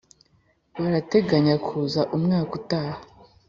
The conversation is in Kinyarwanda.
barateganya kuza umwaka utaha.